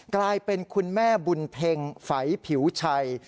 กลายเป็นคุณแม่บุญเพ็งไฝผิวชัย